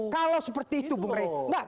kalau seperti itu bung rey